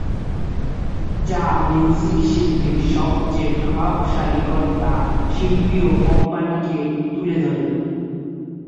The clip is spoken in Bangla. যা মিউজিক শিল্পে সবচেয়ে প্রভাবশালী কর্তা, শিল্পী ও কোম্পানিকে তুলে ধরে।